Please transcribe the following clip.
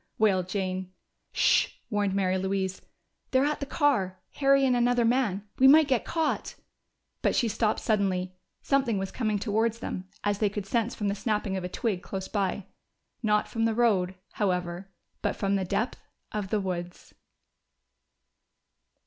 wailed Jane. "Sh!" warned Mary Louise. "They're at the car Harry and another man. We might be caught!" But she stopped suddenly: something was coming towards them, as they could sense from the snapping of a twig close by. Not from the road, however, but from the depth of the woods!